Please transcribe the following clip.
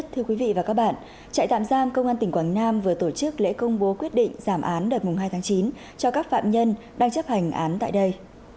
thưa quý vị và các bạn trại tạm giam công an tỉnh quảng nam vừa tổ chức lễ công bố quyết định giảm án đợt hai tháng chín cho các phạm nhân đang chấp hành án tại đây